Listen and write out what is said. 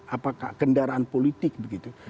apakah kendaraan politik begitu